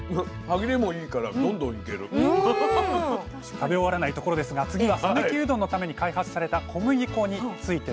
食べ終わらないところですが次は讃岐うどんのために開発された小麦粉についてです。